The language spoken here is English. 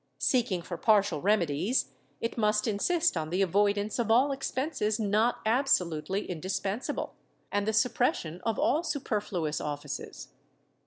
Seeking for partial remedies, it must insist on the avoidance of all expenses not absolutely indis pensable, and the suppression of all superfluous offices.